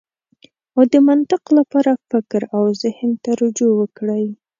او د منطق لپاره فکر او زهن ته رجوع وکړئ.